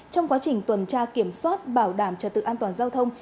trong quá trình tuần tra kiểm soát bảo đảm trật tự an toàn giao thông